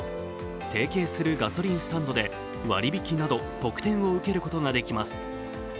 提携するガソリンスタンドで割引きなど特典を受けることができます。